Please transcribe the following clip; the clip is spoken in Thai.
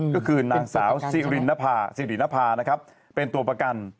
ก็คือนางสาวซิรินภาเป็นตัวประกัน